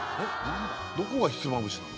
どこがひつまぶしなの？